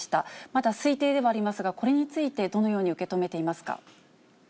まだ推定ではありますが、これについて、どのように受け止めていますか。